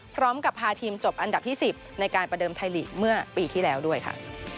พร้อมกับพาทีมจบอันดับที่๑๐ในการประเดิมไทยลีกเมื่อปีที่แล้วด้วยค่ะ